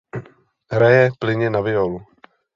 Hraje plynně na violu.